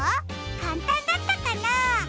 かんたんだったかな？